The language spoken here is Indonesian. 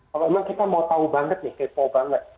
kalau memang kita mau tahu banget nih kepo banget